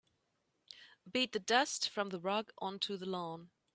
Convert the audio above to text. Beat the dust from the rug onto the lawn.